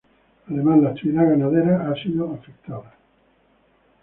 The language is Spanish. Además la actividad ganadera ha sido afectada.